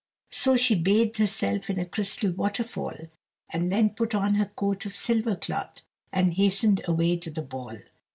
So she bathed herself in a crystal waterfall, and then put on her coat of silver cloth, and hastened away to the ball.